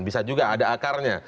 bisa juga ada akarnya